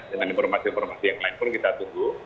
dengan informasi informasi yang lain pun kita tunggu